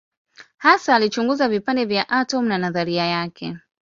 Hasa alichunguza vipande vya atomu na nadharia yake.